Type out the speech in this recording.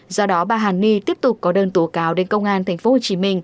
do đó bà hàn ni tiếp tục có đơn tố cáo đến công an tp hcm